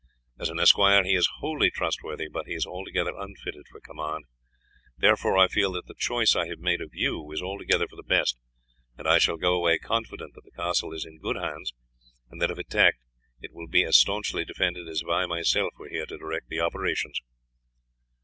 As an esquire he is wholly trustworthy, but he is altogether unfitted for command, therefore I feel that the choice I have made of you is altogether for the best, and I shall go away confident that the castle is in good hands, and that if attacked it will be as staunchly defended as if I myself were here to direct the operations."